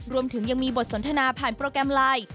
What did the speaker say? รวมถึงยังมีบทสนทนาผ่านโปรแกรมไลน์